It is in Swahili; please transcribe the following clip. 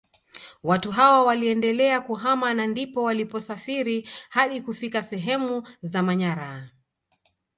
Watu hawa waliendelea kuhama na ndipo waliposafiri hadi kufika sehemu za Manyara